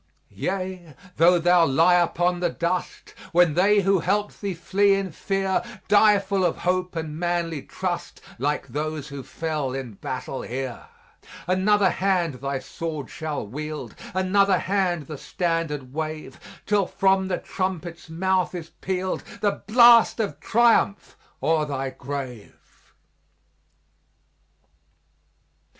"Yea, tho thou lie upon the dust, When they who helped thee flee in fear, Die full of hope and manly trust, Like those who fell in battle here. Another hand thy sword shall wield, Another hand the standard wave, Till from the trumpet's mouth is pealed, The blast of triumph o'er thy grave."